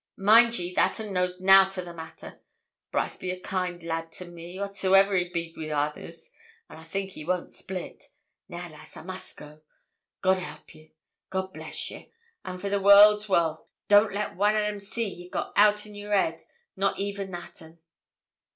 Mind ye, that un knows nout o' the matter. Brice be a kind lad to me, whatsoe'er he be wi' others, and I think he won't split. Now, lass, I must go. God help ye; God bless ye; an', for the world's wealth, don't ye let one o' them see ye've got ought in your head, not even that un.'